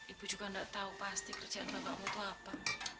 ibu juga nggak tahu pasti kerjaan bapakmu itu apa